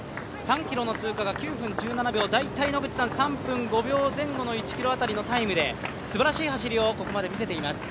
３ｋｍの通過が９分１７秒、野口さん３分５秒前後の１ｋｍ当たりのタイムですばらしい走りをここまで見せています。